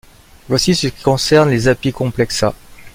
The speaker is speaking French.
Voici ce qui concerne les Apicomplexa.